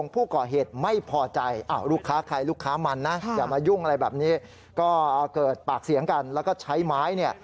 เพราะเกิดปากเสียงกันแล้วก็ใช้ไม้